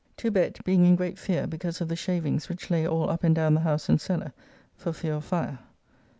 To bed, being in great fear because of the shavings which lay all up and down the house and cellar, for fear of fire.